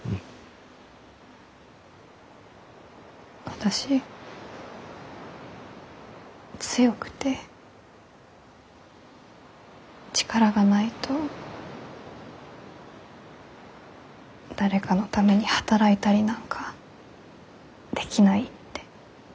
私強くて力がないと誰かのために働いたりなんかできないって思ってました。